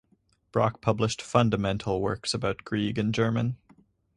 Brock published fundamental works about Grieg in German.